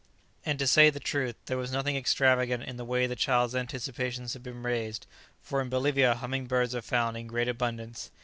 And to say the truth, there was nothing extravagant in the way the child's anticipations had been raised, for in Bolivia humming birds are found in great abundance.